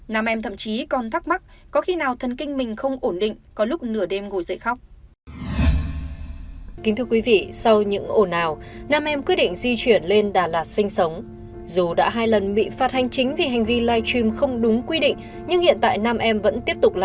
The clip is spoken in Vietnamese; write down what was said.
nam em thậm chí còn thắc mắc có khi nào thần kinh mình không ổn định có lúc nửa đêm ngồi dậy khóc